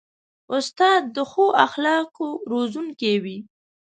استاد د ښو اخلاقو روزونکی وي.